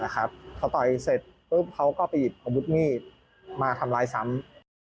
ครับเขาต่อยเสร็จเพิ่งเขาก็ปีกเอาบุตรมีดมาทำร้ายซ้ำ